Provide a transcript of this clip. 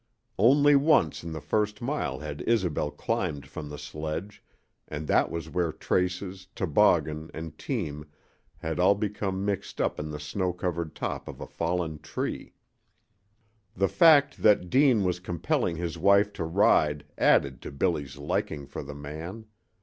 Only once in the first mile had Isobel climbed from the sledge, and that was where traces, toboggan, and team had all become mixed up in the snow covered top of a fallen tree. The fact that Deane was compelling his wife to ride added to Billy's liking for the man.